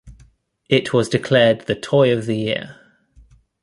It was declared the Toy of the Year.